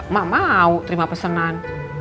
mau terima pesenan